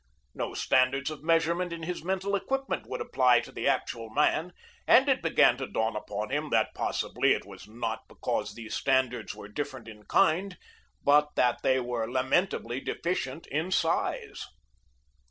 No standards of measurement in his mental equipment would apply to the actual man, and it began to dawn upon him that possibly it was not because these standards were different in kind, but that they were lamentably deficient in size.